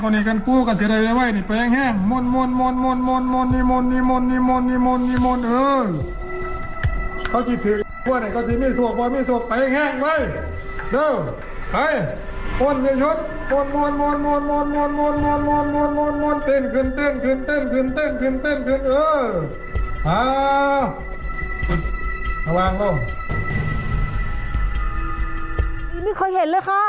นี่เคยเห็นเลยค่ะ